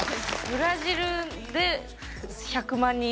ブラジルにファン１００万人。